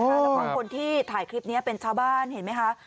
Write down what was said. แล้วก็คนที่ถ่ายคลิปนี้เป็นชาวบ้านเห็นไหมคะ